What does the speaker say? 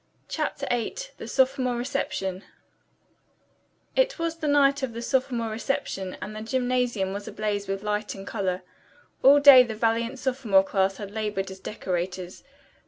CHAPTER VIII THE SOPHOMORE RECEPTION It was the night of the sophomore reception and the gymnasium was ablaze with light and color. All day the valiant sophomore class had labored as decorators.